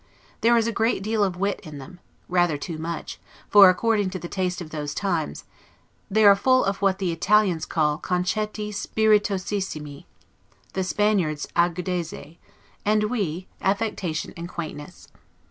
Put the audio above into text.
There is a great deal of wit in them, rather too much; for, according to the taste of those times, they are full of what the Italians call 'concetti spiritosissimi'; the Spaniards 'agudeze'; and we, affectation and quaintness.